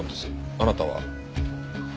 あなたは？